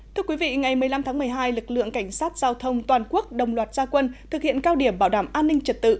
thưa quý vị ngày một mươi năm tháng một mươi hai lực lượng cảnh sát giao thông toàn quốc đồng loạt gia quân thực hiện cao điểm bảo đảm an ninh trật tự